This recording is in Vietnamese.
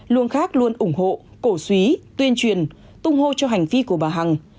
luôn khác luôn ủng hộ cổ suý tuyên truyền tung hô cho hành vi của bà hằng